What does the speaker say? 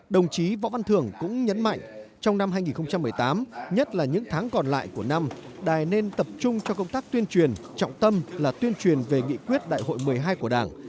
đồng chí võ văn thưởng cũng nhấn mạnh trong năm hai nghìn một mươi tám nhất là những tháng còn lại của năm đài nên tập trung cho công tác tuyên truyền trọng tâm là tuyên truyền về nghị quyết đại hội một mươi hai của đảng